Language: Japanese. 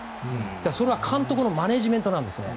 それは監督のマネジメントなんですね。